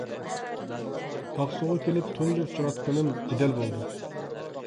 ئاقسۇغا كېلىپ تۇنجى ئۇچراتقىنىم جېدەل بولدى.